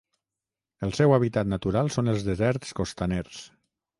El seu hàbitat natural són els deserts costaners.